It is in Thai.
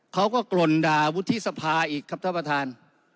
กรกล่นด่าวุฒิสภาอีกครับท่านประธาน